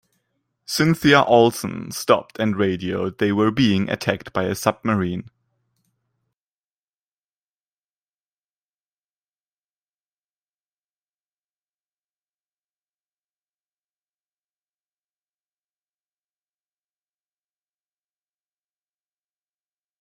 "Cynthia Olson" stopped and radioed they were being attacked by a submarine.